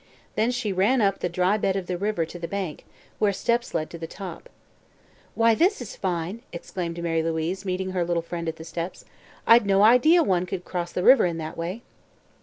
Then she ran up the dry bed of the river to the bank, where steps led to the top. "Why, this is fine!" exclaimed Mary Louise, meeting her little friend at the steps. "I'd no idea one could cross the river in that way."